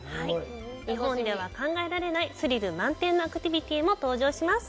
日本では考えられない、スリル満点のアクティビティも登場します。